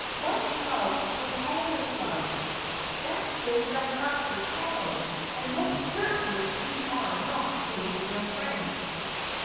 'Once loved is always loved.' That is the Harford motto, and most certainly you are not losing your friends."